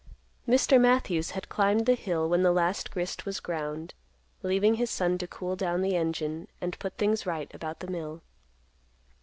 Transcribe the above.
Mr. Matthews had climbed the hill when the last grist was ground, leaving his son to cool down the engine and put things right about the mill.